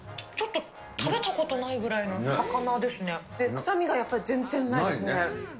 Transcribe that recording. ちょっと食べたことないぐら臭みがやっぱり全然ないです